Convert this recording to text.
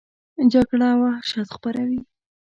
جګړه وحشت خپروي